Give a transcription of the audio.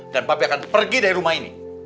dan papi akan pergi dari rumah ini